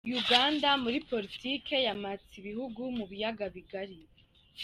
Uganda muri politiki ya mpatsibihugu mu Biyaga Bigari.